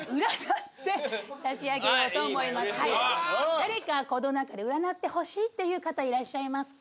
誰かこの中で占ってほしいっていう方いらっしゃいますか？